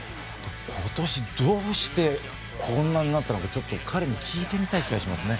今年どうしてこんなになったのか彼に聞いてみたい気がしますね。